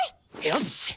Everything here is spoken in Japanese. よし！